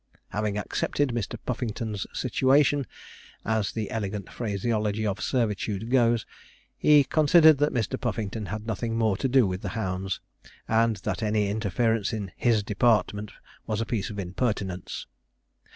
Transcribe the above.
Having 'accepted Mr. Puffington's situation,' as the elegant phraseology of servitude goes, he considered that Mr. Puffington had nothing more to do with the hounds, and that any interference in 'his department' was a piece of impertinence.